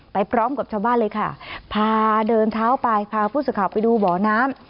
ไปพร้อมกับชาวบ้านเลยค่ะพาเดินเท้าไปพาผู้สื่อข่าวไปดูบ่อน้ำ